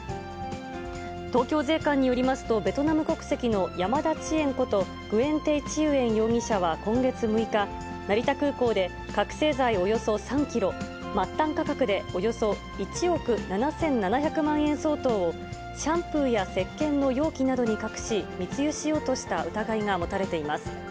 東京税関によりますと、ベトナム国籍の山田知縁こと、グエン・テイ・チユエン容疑者は今月６日、成田空港で、覚醒剤およそ３キロ、末端価格でおよそ１億７７００万円相当をシャンプーやせっけんの容器などに隠し、密輸しようとした疑いが持たれています。